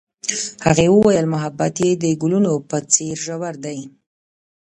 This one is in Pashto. هغې وویل محبت یې د ګلونه په څېر ژور دی.